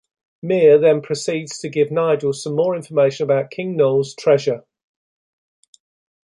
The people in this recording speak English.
Mir then proceeds to give Nigel some more information about King Nole's treasure.